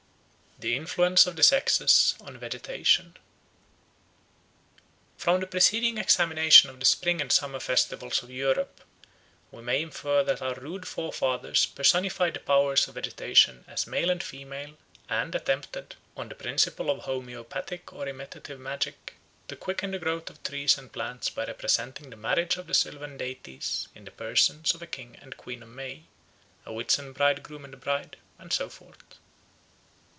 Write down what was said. The Influence of the Sexes on Vegetation FROM THE PRECEDING examination of the spring and summer festivals of Europe we may infer that our rude forefathers personified the powers of vegetation as male and female, and attempted, on the principle of homoeopathic or imitative magic, to quicken the growth of trees and plants by representing the marriage of the sylvan deities in the persons of a King and Queen of May, a Whitsun Bridegroom and Bride, and so forth.